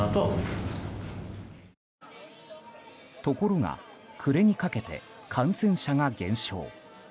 ところが暮れにかけて感染者が減少。